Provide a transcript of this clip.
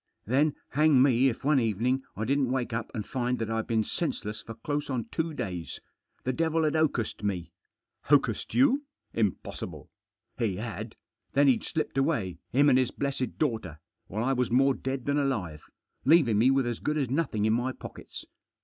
" Then hang me if one evening I didn't wake up and find that I'd been senseless for close on two days. The devil had hocussed me." " Hocussed you ? Impossible !"" He had. Then he'd slipped away, him and his blessed daughter, while I was more dead than alive, leaving me with as good as nothing in my pockets.